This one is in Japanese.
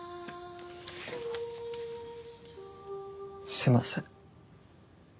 すいません。